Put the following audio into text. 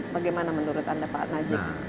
bagaimana menurut anda pak najib